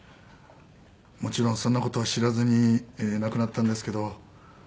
もちろんそんな事は知らずに亡くなったんですけど。